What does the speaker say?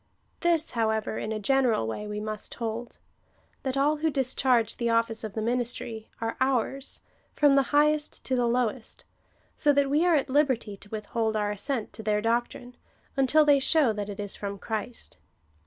This, however, in a general way, we must liold,^ that all who discharge the office of the ministry, are ours, from the highest to the lowest, so that we are at liberty to with hold our assent to their doctrine, until they show that it is from Christ.